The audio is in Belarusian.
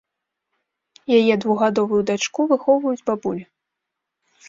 Яе двухгадовую дачку выхоўваюць бабулі.